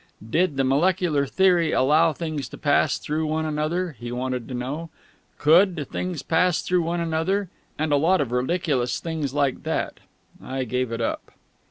"Did the molecular theory allow things to pass through one another?" he wanted to know; "Could things pass through one another?" and a lot of ridiculous things like that. I gave it up.